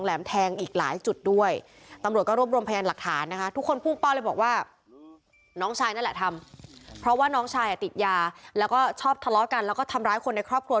และก็ชอบทะเลาะกันและก็ทำร้ายคนในครอบครัว